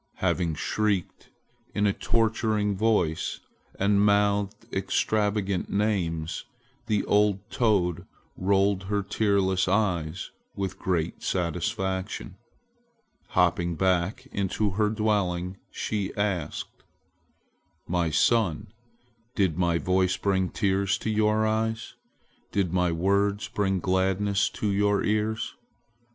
Having shrieked in a torturing voice and mouthed extravagant names, the old toad rolled her tearless eyes with great satisfaction. Hopping back into her dwelling, she asked: "My son, did my voice bring tears to your eyes? Did my words bring gladness to your ears?